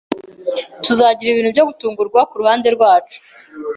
Tuzagira ibintu byo gutungurwa kuruhande rwacu